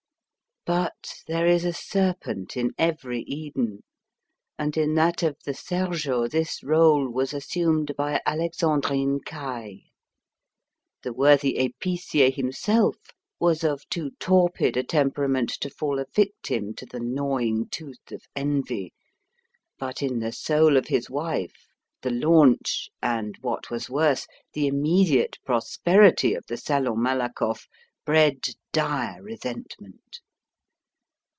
But there is a serpent in every Eden, and in that of the Sergeot this rôle was assumed by Alexandrine Caille. The worthy épicier himself was of too torpid a temperament to fall a victim to the gnawing tooth of envy, but in the soul of his wife the launch, and, what was worse, the immediate prosperity of the Salon Malakoff, bred dire resentment.